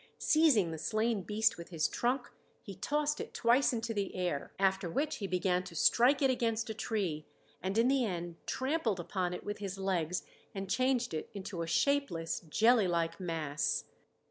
Seizing the slain beast with his trunk he tossed it twice into the air; after which he began to strike it against a tree and in the end trampled upon it with his legs and changed it into a shapeless, jelly like mass.